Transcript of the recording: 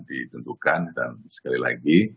ditentukan dan sekali lagi